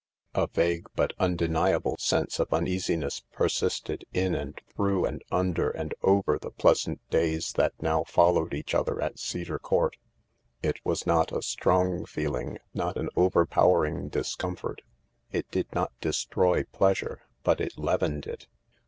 A vague but undeniable sense of uneasiness persisted in and through and under and over the pleasant days that now followed each other at Cedar Court. It was not a strong feeling, not an overpowering discomfort ; it did not destroy pleasure, but it leavened it.